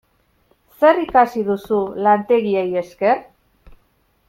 Zer ikasi duzu lantegiei esker?